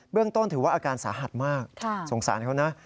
เบื้องต้นถือว่าอาการสหัสมากทรงสารเขาน่ะ